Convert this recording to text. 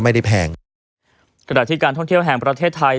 แพงกระดาษที่การท่องเที่ยวแห่งประเทศไทย